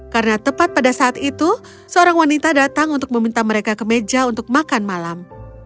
karena tepat pada saat itu seorang wanita datang untuk meminta mereka ke meja untuk makan malam